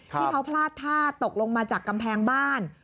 ที่เขาพลาดท่าตกลงมาจากกำแพงบ้าน